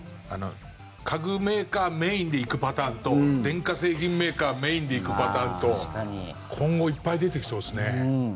家具メーカーメインで行くパターンと電化製品メーカーメインで行くパターンと今後いっぱい出てきそうですね。